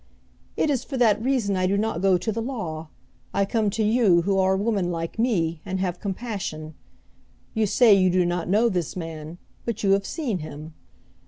It is for that reason I do not go to the law. I come to you, who are a woman like me, and have compassion. You say you do not know this man, but you have seen him.